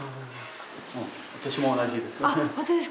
私も同じです。